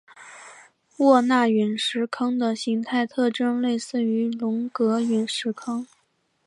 沃纳陨石坑的形态特征类似于龙格陨石坑。